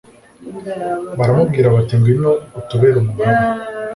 baramubwira bati ngwino utubere umugaba